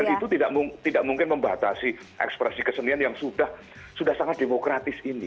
dan itu tidak mungkin membatasi ekspresi kesenian yang sudah sangat demokratis ini